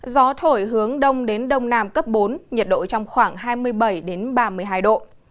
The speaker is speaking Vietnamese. gió thổi hướng đông đến đông nam cấp bốn nhiệt độ trong khoảng hai mươi bảy ba mươi hai độ